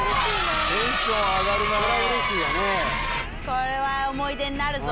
これは思い出になるぞ。